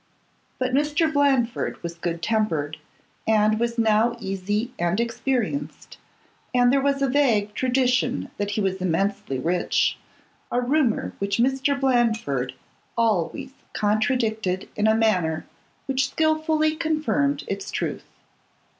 But Mr. Bland ford was good tempered, and was now easy and experienced, and there was a vague tradition that he was immensely rich, a rumour which Mr. Blandford always contradicted in a manner which skilfully confirmed its truth.